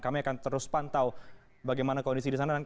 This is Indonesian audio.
kami akan terus pantau bagaimana kondisi di sana